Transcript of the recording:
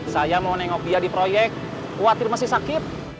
saya mau nengok dia di proyek khawatir masih sakit